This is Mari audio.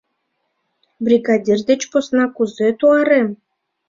— Бригадир деч посна кузе туарем?